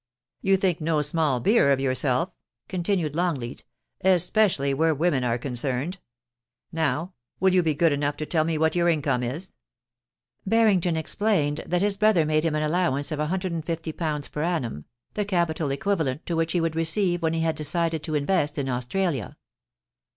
* You think no small beer of yourself,' continued Longleat, * especially where women are concerned. Now, will you be good enough to tell me what your income is ?* Barrington explained that his brother made him an allow ance of ;£^i5o per annum, the capital equivalent to which he would receive when he had decided to invest in Aus tralia.